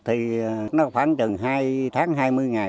thì nó khoảng chừng hai tháng hai mươi ngày